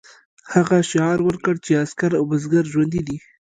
هغه شعار ورکړ چې عسکر او بزګر ژوندي دي.